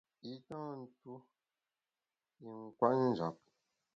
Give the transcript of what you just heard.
I tâ ntuo i nkwet njap.